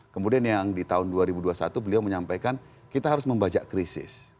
kemudian yang di tahun dua ribu dua puluh satu beliau menyampaikan kita harus membajak krisis